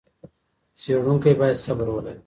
څېړونکی بايد صبر ولري.